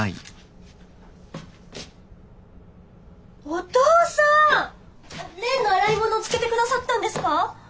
お義父さん！の洗い物つけてくださったんですか！